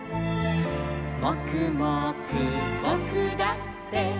「もくもくぼくだって」